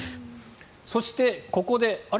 そして、ここであれ？